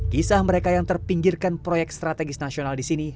kisah mereka yang terpinggirkan proyek strategis nasional di sini